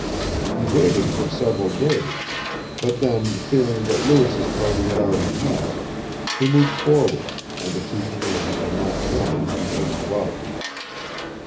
He waited for several days; but then, fearing that Lewis's party had already passed, he moved forward, and the two commands were not joined until the 12th.